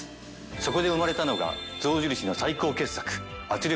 そこで生まれたのが象印の最高傑作圧力